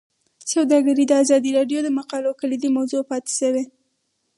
سوداګري د ازادي راډیو د مقالو کلیدي موضوع پاتې شوی.